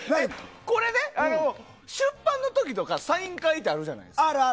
出版の時とかサイン会とかあるじゃないですか。